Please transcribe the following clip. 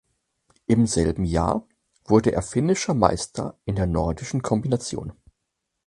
Im selben Jahr wurde er finnischer Meister in der Nordischen Kombination.